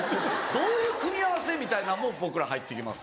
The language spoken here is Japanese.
どういう組み合わせ？みたいなんも僕ら入って来ます。